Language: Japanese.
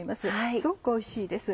すごくおいしいです。